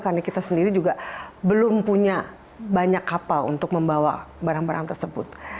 karena kita sendiri juga belum punya banyak kapal untuk membawa barang barang tersebut